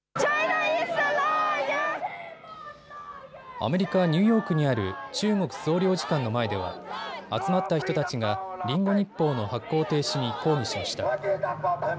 アメリカ・ニューヨークにある中国総領事館の前では集まった人たちがリンゴ日報の発行停止に抗議しました。